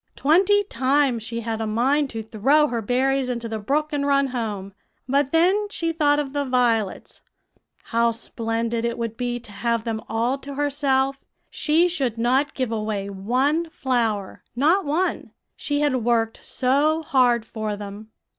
"Twenty times she had a mind to throw her berries into the brook and run home; but then she thought of the violets how splendid it would be to have them all to herself; she should not give away one flower, not one, she had worked so hard for them.